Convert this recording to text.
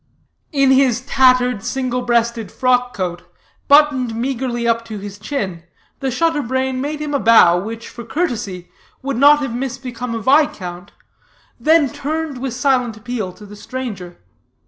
In his tattered, single breasted frock coat, buttoned meagerly up to his chin, the shutter brain made him a bow, which, for courtesy, would not have misbecome a viscount, then turned with silent appeal to the stranger.